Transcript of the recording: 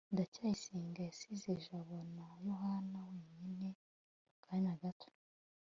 ndacyayisenga yasize jabo na yohana wenyine mu kanya gato